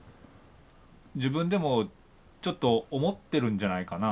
自分でもちょっと思ってるんじゃないかな？